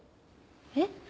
えっ？